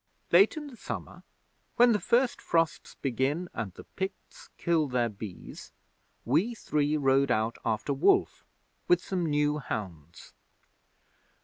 'Late in the summer, when the first frosts begin and the Picts kill their bees, we three rode out after wolf with some new hounds.